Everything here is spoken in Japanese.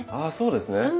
あそうですね。